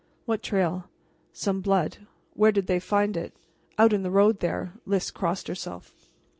"What trail?" "Some blood." "Where did they find it?" "Out in the road there." Lys crossed herself.